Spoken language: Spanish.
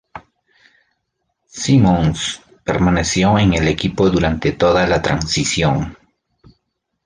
Symonds permaneció en el equipo durante toda la transición.